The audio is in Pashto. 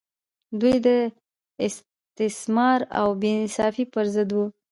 دوی د استثمار او بې انصافۍ پر ضد وو.